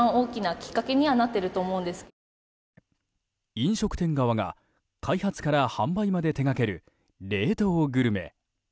飲食店側が、開発から販売まで手掛ける冷凍グルメ。